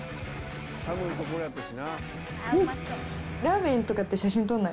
寒いとこやったしな。